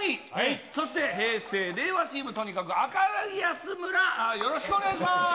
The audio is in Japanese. そして平成・令和チーム、とにかく明るい安村、よろしくお願いします。